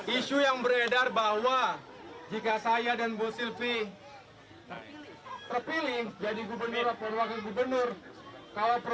isu yang beredar bahwa jika saya dan bu silvi terpilih jadi gubernur atau wakil gubernur